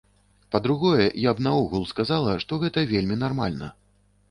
Па-другое, я б наогул сказала, што гэта вельмі нармальна.